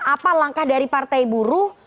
apa langkah dari partai buruh